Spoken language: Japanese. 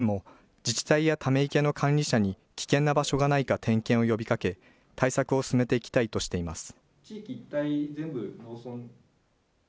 県も自治体やため池の管理者に危険な場所がないか点検を呼びかけ対策を進めていきたいとしています。